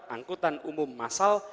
angkutan umum massal